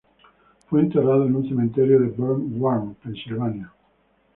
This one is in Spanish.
Fue enterrado en un cementerio en Bryn Mawr, Pensilvania.